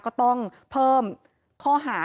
ก็ต้องเพิ่มข้อหา